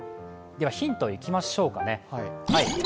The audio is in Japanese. ヒントいきましょうかね。